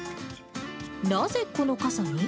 なぜこの傘に？